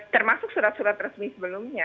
termasuk surat surat resmi sebelumnya